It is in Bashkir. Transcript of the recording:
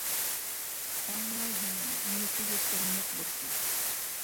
Аңлайһыңмы, мине күҙ йәштәре ныҡ борсой.